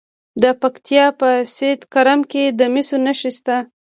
د پکتیا په سید کرم کې د مسو نښې شته.